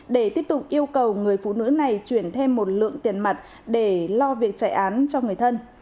để tiếp tục yêu cầu người phụ nữ này chuyển thêm một lượng tiền mặt để lo việc chạy án cho người thân